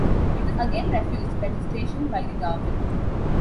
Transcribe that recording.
It was again refused registration by the government.